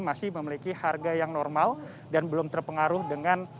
masih memiliki harga yang normal dan belum terpengaruh dengan